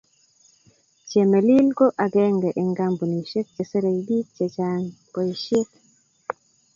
Chemelil ko akenge eng kampunishe che serei biik che chang boisie.